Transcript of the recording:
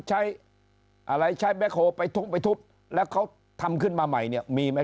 กี่เสาหม้อตอหม้อมันจะไปทำได้ยังไง